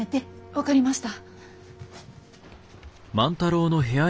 分かりました。